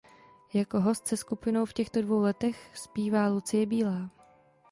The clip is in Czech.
Jako host se skupinou v těchto dvou letech zpívá Lucie Bílá.